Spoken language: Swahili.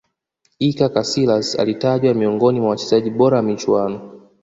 iker casilas alitajwa miongoni mwa wachezaji bora wa michuano